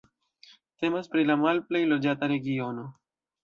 Temas pri la malplej loĝata regiono.